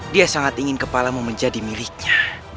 dia sangat ingin kepalamu menjadi miliknya